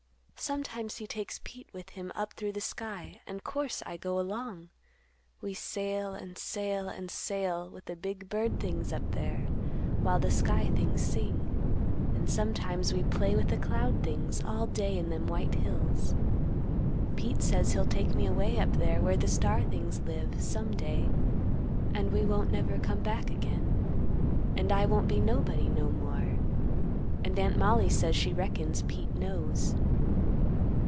Sometimes he takes Pete with him up through the sky, and course I go along. We sail, and sail, and sail, with the big bird things up there, while the sky things sing; and sometimes we play with the cloud things, all day in them white hills. Pete says he'll take me away up there where the star things live, some day, and we won't never come back again; and I won't be nobody no more; and Aunt Mollie says she reckons Pete knows.